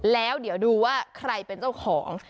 แล้วเดี๋ยวดูว่าใครเป็นเจ้าของ